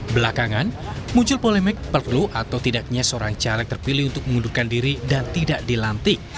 belakangan muncul polemik perlu atau tidaknya seorang caleg terpilih untuk mengundurkan diri dan tidak dilantik